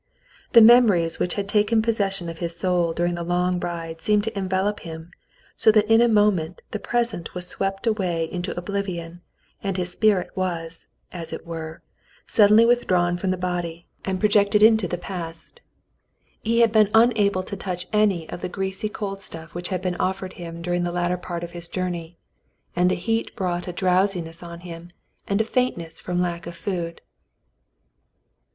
The memories which had taken possession of his soul during the long ride seemed to envelop him so that in a moment the present was swept away into oblivion and his spirit was, as it were, suddenly withdrawn from the body and projected into The Mountain People 15 the past. He had been unable to touch any of the greasy cold stuff which had been offered him during the latter part of his journey, and the heat brought a drowsiness on him and a faintness from lack of food.